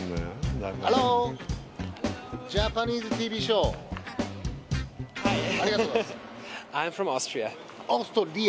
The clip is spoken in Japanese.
オーストリア？